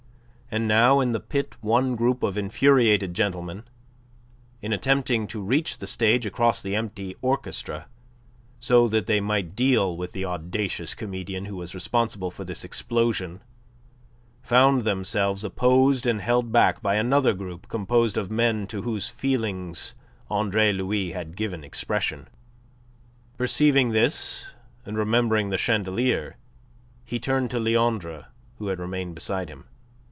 And now in the pit one group of infuriated gentlemen, in attempting to reach the stage across the empty orchestra, so that they might deal with the audacious comedian who was responsible for this explosion, found themselves opposed and held back by another group composed of men to whose feelings Andre Louis had given expression. Perceiving this, and remembering the chandelier, he turned to Leandre, who had remained beside him.